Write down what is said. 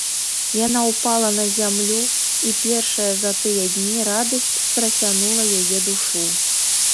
Яна ўпала на зямлю, і першая за тыя дні радасць страсянула яе душу.